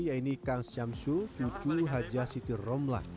yakni kang syamsu cucu haja situr rombla